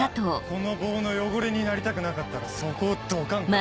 この棒の汚れになりたくなかったらそこをどかんか。